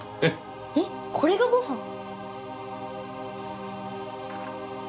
えっこれがごはん？